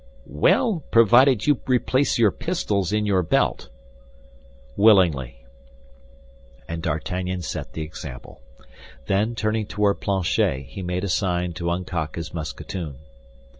"Well, provided you replace your pistols in your belt." "Willingly." And D'Artagnan set the example. Then, turning toward Planchet, he made him a sign to uncock his musketoon.